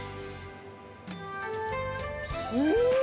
うん！